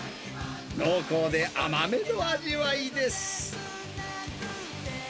濃厚で甘めの味わいです。